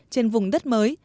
trên vùng đất mới